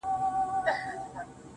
o پر مخ وريځ.